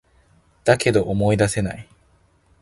だけど、思い出せない